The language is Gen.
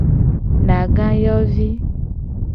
Nagayovi.